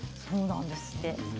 そうなんですって。